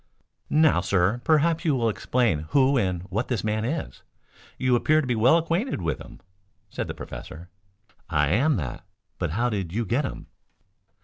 "Now, sir, perhaps you will explain who and what this man is? You appear to be well acquainted with him," said the professor. "I am that. But how did you get him?"